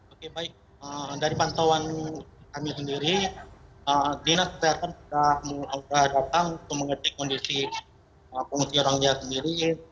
oke baik dari pantauan kami sendiri dinas kesehatan sudah datang untuk mengecek kondisi pengungsi orangnya sendiri